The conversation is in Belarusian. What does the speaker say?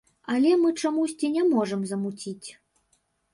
Але мы чамусьці не можам замуціць.